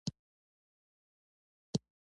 نورې حملې یو بې نتیجې کار دی.